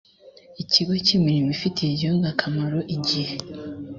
ikigo cy imirimo ifitiye igihugu akamaro igihe